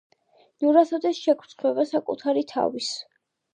"ნურასოდეს შეგრცხვება საკუთარი თავის"